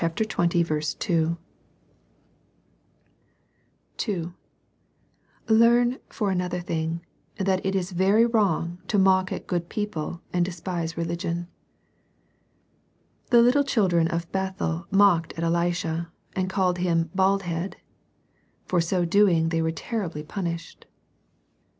11.) (2) Learn, for another thing, that it is very wrong to mock at good people^ and despise religion. The little children of Bethel mocked at Elisha, and called him "bald head." For so doing they were terribly punished.